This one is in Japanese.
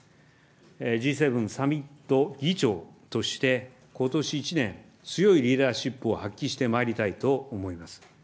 Ｇ７サミット議長として、ことし１年、強いリーダーシップを発揮してまいりたいと思います。